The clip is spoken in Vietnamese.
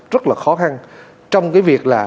rất là khó khăn trong cái việc là